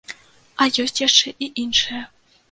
А ёсць яшчэ і іншыя.